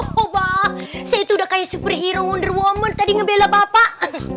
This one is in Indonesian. saya itu udah kayak superhero wonder woman tadi ngebelap bapak